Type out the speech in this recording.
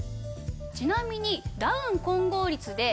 ちなみに。